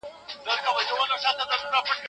زه به ستا د نمبر په یاد ساتلو کې هڅه وکړم.